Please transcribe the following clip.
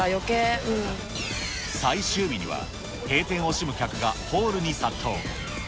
最終日には、閉店を惜しむ客がホールに殺到。